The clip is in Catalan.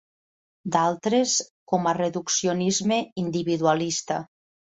D'altres, com a reduccionisme individualista.